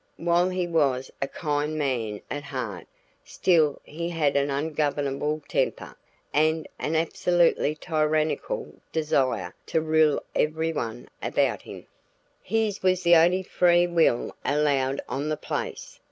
While he was a kind man at heart, still he had an ungovernable temper, and an absolutely tyrannical desire to rule every one about him. His was the only free will allowed on the place.